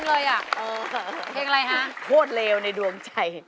ของเครื่องเทวจ์ในดวงใจ